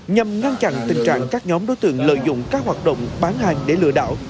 nhằm ngăn chặn tình trạng các nhóm đối tượng lợi dụng các hoạt động bán hàng để lừa đảo